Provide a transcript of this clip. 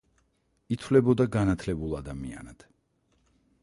ითვლებოდა განათლებულ ადამიანად.